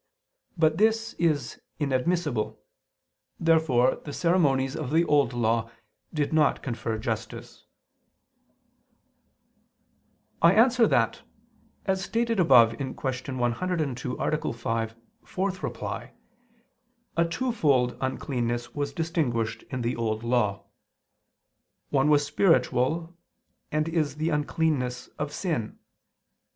But this is inadmissible. Therefore the ceremonies of the Old Law did not confer justice. I answer that, As stated above (Q. 102, A. 5, ad 4), a twofold uncleanness was distinguished in the Old Law. One was spiritual and is the uncleanness of sin.